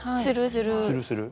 するする。